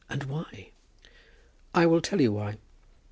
and why?" "I will tell you why.